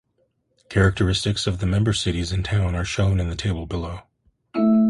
Characteristics of the member cities and town are shown in the table below.